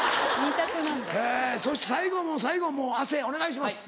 えそして最後の最後もう亜生お願いします。